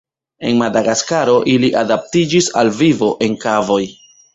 En Madagaskaro ili adaptiĝis al vivo en kavoj.